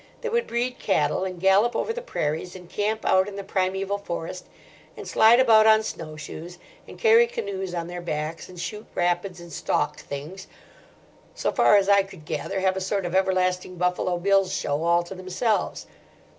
They would breed cattle, and gallop over the prairies, and camp out in the primeval forest, and slide about on snow shoes, and carry canoes on their backs, and shoot rapids, and stalk things—so far as I could gather, have a sort of everlasting Buffalo Bill's show all to themselves.